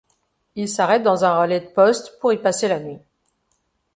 Il s’arrête dans un relais de poste pour y passer la nuit.